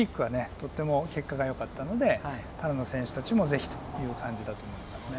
とっても結果がよかったのでパラの選手たちも是非という感じだと思いますね。